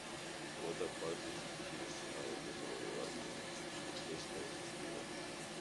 Por otra parte, es difícil estimar el número de barcos de pesca deportiva.